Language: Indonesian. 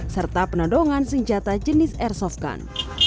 serta penodongan senjata jenis airsoft gun